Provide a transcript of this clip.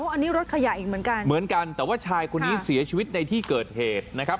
อันนี้รถขยะอีกเหมือนกันเหมือนกันแต่ว่าชายคนนี้เสียชีวิตในที่เกิดเหตุนะครับ